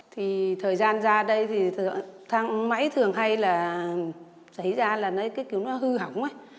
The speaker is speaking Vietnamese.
thời gian ra đây thì thang máy thường hay là xảy ra là nó hư hỏng